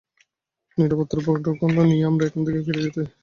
নিরাপত্তার উপঢৌকন নিয়েই আমরা এখান থেকে ফিরে যেতে চাই।